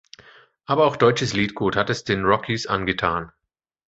Aber auch deutsches Liedgut hat es den Rockys angetan.